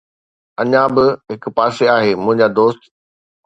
اڃا به هڪ پاسي آهي، منهنجا دوست